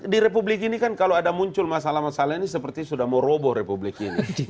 di republik ini kan kalau ada muncul masalah masalah ini seperti sudah mau roboh republik ini